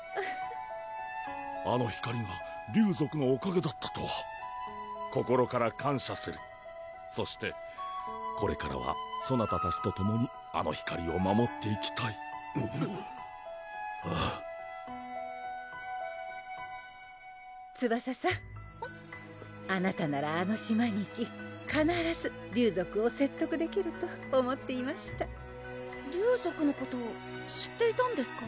あの光が竜族のおかげだったとは心から感謝するそしてこれからはそなたたちと共にあの光を守っていきたいああツバサさんあなたならあの島に行きかならず竜族を説得できると思っていました竜族のことを知っていたんですか？